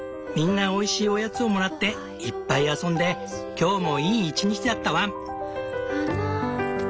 みんなおいしいおやつをもらっていっぱい遊んで今日もいい一日だったワン！